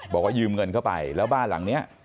บอกว่ายืมเงินเข้าไปแล้วบ้านหลังนี้